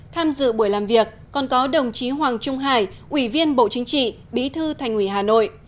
tham dự buổi làm việc còn có đồng chí hoàng trung hải ủy viên bộ chính trị bí thư thành ủy hà nội